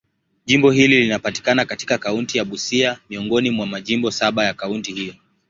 Jimbo hili linapatikana katika kaunti ya Busia, miongoni mwa majimbo saba ya kaunti hiyo.